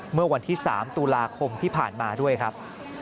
เมื่อวันที่๓ตุลาคมที่ผ่านมาด้วยครับ